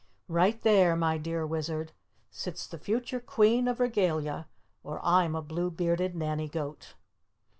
Right there, my dear Wizard, sits the future Queen of Regalia, or I'm a blue bearded Nannygoat!"